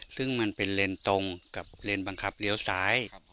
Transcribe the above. ซึ่งมันเป็นเลนส์ตรงกับเลนบังคับเลี้ยวซ้าย